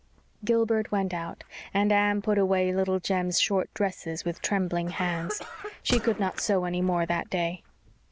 Gilbert went out, and Anne put away Little Jem's short dresses with trembling hands. She could not sew any more that day.